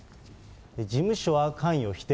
事務所は関与否定。